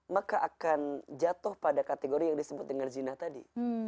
maka akan jatuh pada kategori yang disebut dengan zina tadi